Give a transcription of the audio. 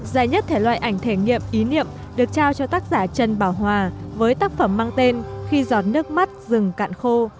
dài nhất thể loại ảnh thể nghiệm ý niệm được trao cho tác giả trần bảo hòa với tác phẩm mang tên khi giọt nước mắt rừng cạn khô